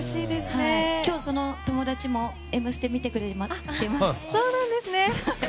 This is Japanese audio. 今日その友達も「Ｍステ」見てもらってます。